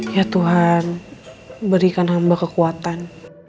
ya tuhan berikan hamba kekuatan